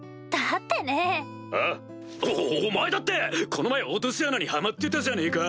おお前だってこの前落とし穴にはまってたじゃねえか！